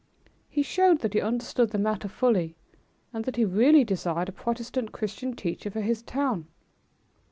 He showed that he understood the matter fully, and that he really desired a Protestant Christian teacher for his town.